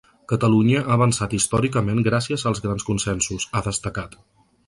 Catalunya ha avançat històricament gràcies als grans consensos, ha destacat.